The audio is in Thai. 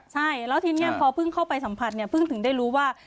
ใช่แล้วทีนี้พอเพิ่งเข้าไปสัมผัสเนี่ยเพิ่งถึงได้รู้ว่า